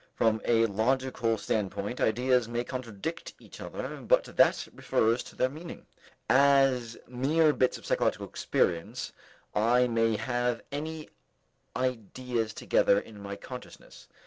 From a logical standpoint, ideas may contradict each other, but that refers to their meaning. As mere bits of psychological experience, I may have any ideas together in my consciousness.